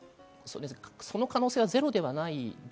その可能性はゼロではないで